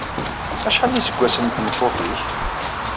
Acḥal iseggasen n tmeṭṭut-nnek?